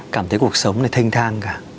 cảm thấy cuộc sống này thanh thang cả